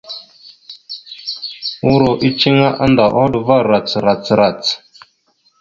Uuro eceŋé annda a hoɗ va rac rac rac.